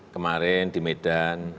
kemarin di medan